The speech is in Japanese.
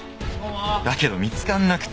だけど見つかんなくて。